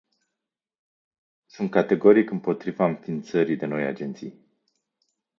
Sunt categoric împotriva înființării de noi agenții.